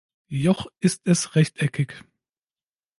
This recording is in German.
Joch ist es rechteckig.